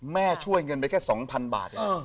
ช่วยเงินไปแค่๒๐๐๐บาท